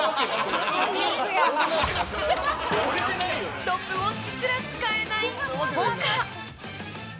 ストップウォッチすら使えないポカ。